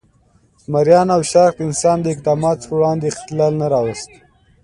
زمریانو او شارک د انسان د اقداماتو پر وړاندې اختلال نه راوست.